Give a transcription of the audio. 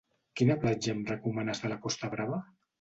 Quina platja em recomanes de la costa brava?